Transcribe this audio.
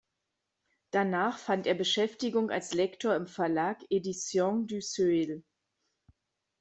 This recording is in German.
Danach fand er Beschäftigung als Lektor im Verlag "Editions du Seuil".